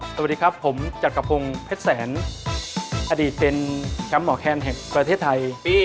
สวัสดีครับผมจักรพงศ์เพชรแสนอดีตเป็นแชมป์หมอแคนแห่งประเทศไทย